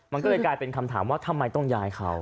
มันก็เลยกลายเป็นคำถามว่าทำไมต้องย้ายเขา